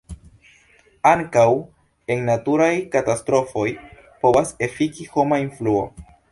Ankaŭ en naturaj katastrofoj povas efiki homa influo.